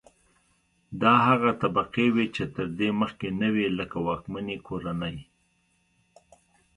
دا هغه طبقې وې چې تر دې مخکې نه وې لکه واکمنې کورنۍ.